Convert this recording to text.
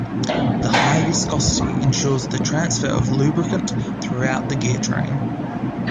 The high viscosity ensures transfer of lubricant throughout the gear train.